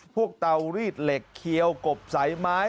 พวกเตาหรี่เหล็กเขียวกบสายไม้